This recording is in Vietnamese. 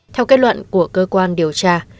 theo kết luận của cơ quan điều tra